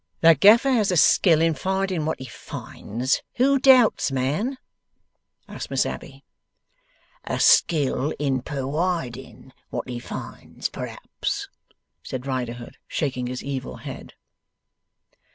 'That Gaffer has a skill in finding what he finds, who doubts, man?' asked Miss Abbey. 'A skill in purwiding what he finds, perhaps,' said Riderhood, shaking his evil head.